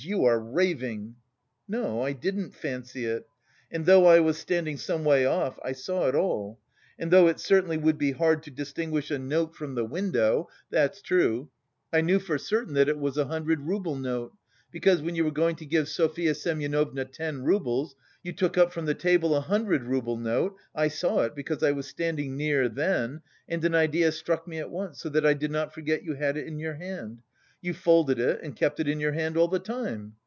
You are raving!" "No, I didn't fancy it. And though I was standing some way off, I saw it all. And though it certainly would be hard to distinguish a note from the window that's true I knew for certain that it was a hundred rouble note, because, when you were going to give Sofya Semyonovna ten roubles, you took up from the table a hundred rouble note (I saw it because I was standing near then, and an idea struck me at once, so that I did not forget you had it in your hand). You folded it and kept it in your hand all the time.